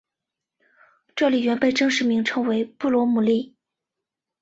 这里原本正式名称是布罗姆利。